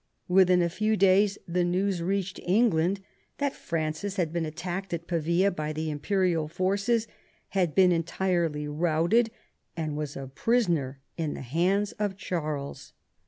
Within a few days the news reached England that Francis had been attacked at Pavia by the imperial forces, had been entirely routed, and was a prisoner in the hands of Charles.